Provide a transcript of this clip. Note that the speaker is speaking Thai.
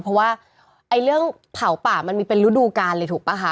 เพราะว่าเรื่องเผาป่ามันมีเป็นฤดูการเลยถูกป่ะคะ